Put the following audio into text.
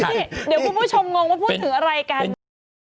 เดี๋ยวพวกผู้ชมบอกว่าพูดถึงอะไรกัน